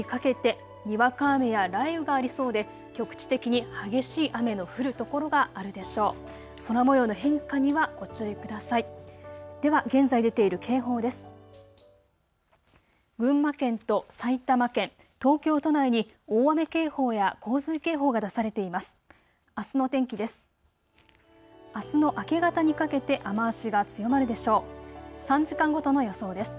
群馬県と埼玉県東京都内に大雨警報や洪水警報が出されています。